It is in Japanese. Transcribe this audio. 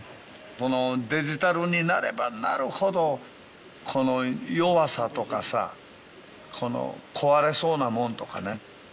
このデジタルになればなるほどこの弱さとかさこの壊れそうなもんとかね